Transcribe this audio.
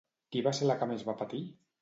Qui va ser la que més va patir?